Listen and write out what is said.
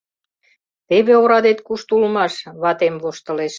— Теве орадет кушто улмаш! — ватем воштылеш.